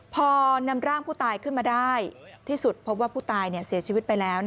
พอนำร่างผู้ตายขึ้นมาได้ที่สุดพบว่าผู้ตายเสียชีวิตไปแล้ว